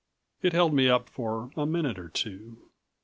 It held me up for a minute or two.